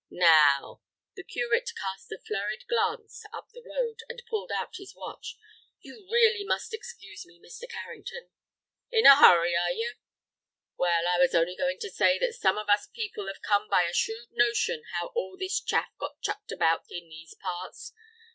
Now—" The Curate cast a flurried glance up the road, and pulled out his watch. "You must really excuse me, Mr. Carrington." "In a hurry, are you? Well, I was only going to say that some of us people have come by a shrewd notion how all this chaff got chucked about in these parts.